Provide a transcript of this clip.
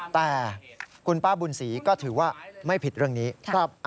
แต่คุณป้าบุญศรีก็ถือว่าไม่ผิดเรื่องนี้